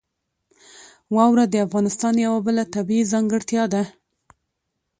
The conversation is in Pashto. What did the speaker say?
واوره د افغانستان یوه بله طبیعي ځانګړتیا ده.